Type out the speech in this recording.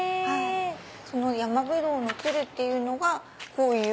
そのヤマブドウのつるっていうのがこういう。